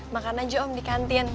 makan aja om di kantin